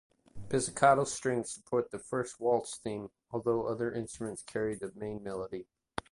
Pizzicato strings support the first waltz theme although other instruments carry the main melody.